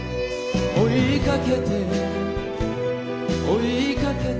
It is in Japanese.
「追いかけて追いかけて」